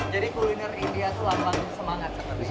jadi kuliner india itu lambang semangat seperti itu